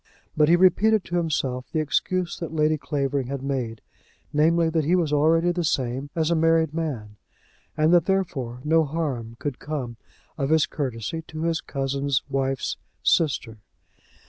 But he repeated to himself the excuse that Lady Clavering had made, namely, that he was already the same as a married man, and that, therefore, no harm could come of his courtesy to his cousin's wife's sister.